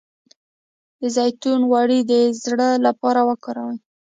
د زیتون غوړي د زړه لپاره وکاروئ